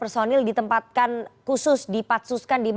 enam belas personil ditempatkan khusus di patsus